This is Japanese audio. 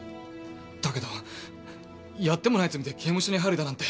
だけどやってもない罪で刑務所に入るだなんて。